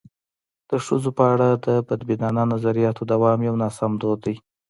د ښځو په اړه د بدبینانه نظریاتو دوام یو ناسم دود دی.